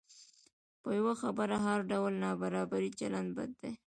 په یوه خبره هر ډول نابرابر چلند بد دی.